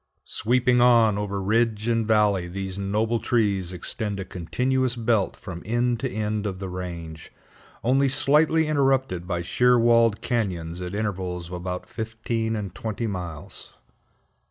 Sweeping on over ridge and valley, these noble trees extend a continuous belt from end to end of the range, only slightly interrupted by sheer walled cañons at intervals of about fifteen and twenty miles.